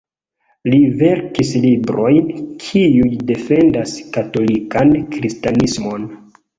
Li verkis librojn, kiuj defendas katolikan kristanismon.